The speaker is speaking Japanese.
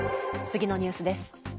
次のニュースです。